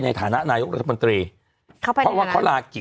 ในฐานะนายกรัฐบัญเทรเพราะว่าเขาร้ากิจ